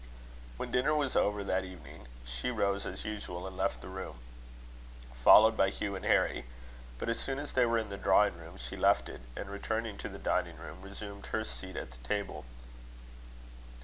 When dinner was over that evening, she rose as usual and left the room, followed by Hugh and Harry; but as soon as they were in the drawing room, she left it; and, returning to the dining room, resumed her seat at the table.